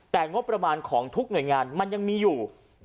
แต่งบประมาณของทุกหน่วยงานมันยังมีอยู่